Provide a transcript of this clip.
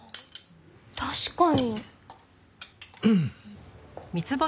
確かに。